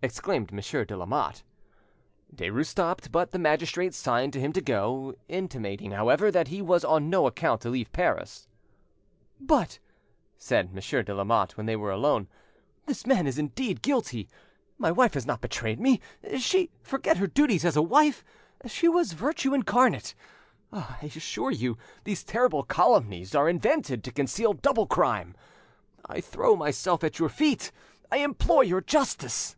exclaimed Monsieur de Lamotte. Derues stopped, but the magistrate signed to him to go, intimating, however, that he was on no account to leave Paris. "But," said Monsieur de Lamotte, when they were alone, "this man is indeed guilty. My wife has not betrayed me! She!—forget her duties as a wife! she was virtue incarnate! Ah! I assure you these terrible calumnies are invented to conceal double crime! I throw myself at your feet,—I implore your justice!"